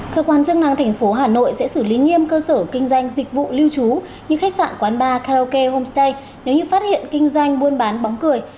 cơ quan chức năng thành phố hà nội sẽ xử lý nghiêm cơ sở kinh doanh dịch vụ lưu trú như khách sạn quán bar karaoke homestay nếu như phát hiện kinh doanh buôn bán bóng cười